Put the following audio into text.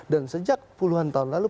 dan sejak puluhan tahun lalu